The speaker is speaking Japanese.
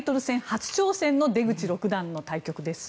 初挑戦の出口六段の対局です。